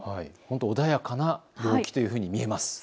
穏やかな陽気というふうに見えます。